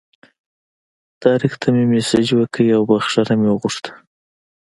طارق ته مې مسیج وکړ او بخښنه مې وغوښته.